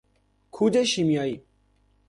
کود شیمیایی